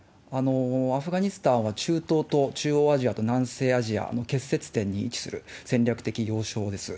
アフガニスタンは、中東と中央アジアと南西アジアの結節点に位置する戦略的要衝です。